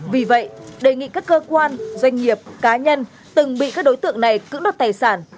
vì vậy đề nghị các cơ quan doanh nghiệp cá nhân từng bị các đối tượng này cưỡng đoạt tài sản